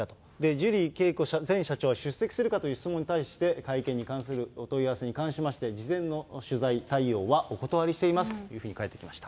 ジュリー景子前社長は出席するかという質問に対して、会見に対するお問い合わせに関しまして、事前の取材対応はお断りしていますというふうに返ってきました。